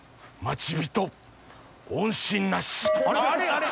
あれ？